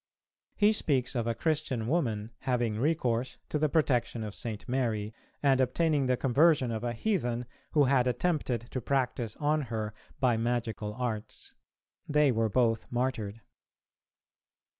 He speaks of a Christian woman having recourse to the protection of St. Mary, and obtaining the conversion of a heathen who had attempted to practise on her by magical arts. They were both martyred.